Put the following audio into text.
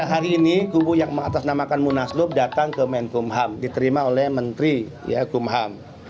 hari ini kubu yang mengatasnamakan munaslup datang ke menkumham diterima oleh menteri kumham